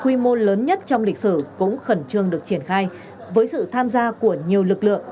quy mô lớn nhất trong lịch sử cũng khẩn trương được triển khai với sự tham gia của nhiều lực lượng